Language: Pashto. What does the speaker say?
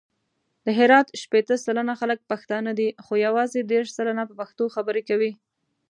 د هرات شپېته سلنه خلګ پښتانه دي، خو یوازې دېرش سلنه په پښتو خبري کوي.